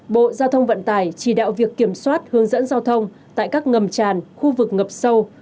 bộ giao thông vận tải chỉ đạo việc kiểm soát hướng dẫn giao thông tại các ngầm tràn khu vực ngập sâu